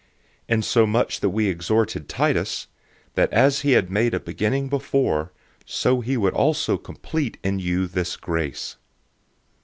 008:006 So we urged Titus, that as he made a beginning before, so he would also complete in you this grace.